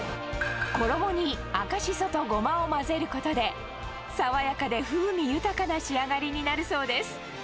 衣に赤しそとゴマを混ぜることで、爽やかで風味豊かな仕上がりになるそうです。